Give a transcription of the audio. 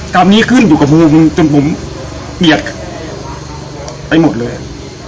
กรรมนี้ขึ้นอยู่กับมือมึงจนผมเปียกไปหมดเลย